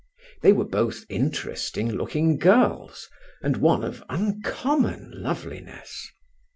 They were both interesting looking girls, and one of uncommon loveliness.